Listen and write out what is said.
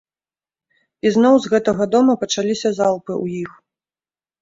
І зноў з гэтага дома пачаліся залпы ў іх.